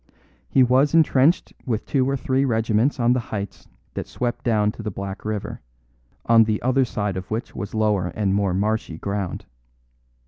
He was entrenched with two or three regiments on the heights that swept down to the Black River, on the other side of which was lower and more marshy ground.